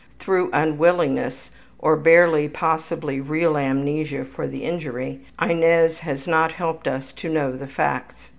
Through unwillingness, or barely possibly real amnesia for the injury, Inez has not helped us to know the facts.